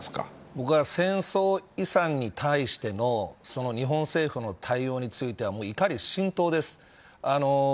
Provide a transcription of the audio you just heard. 僕は戦争遺産に対しての日本政府の対応に対しては怒り心頭です。